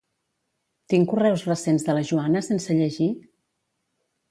Tinc correus recents de la Joana sense llegir?